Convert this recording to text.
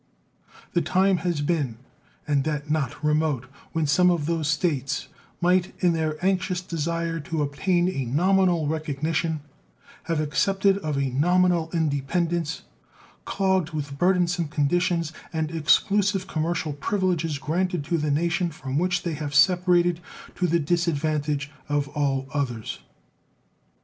The time has been, and that not remote, when some of those States might, in their anxious desire to obtain a nominal recognition, have accepted of a nominal independence, clogged with burdensome conditions, and exclusive commercial privileges granted to the nation from which they have separated to the disadvantage of all others.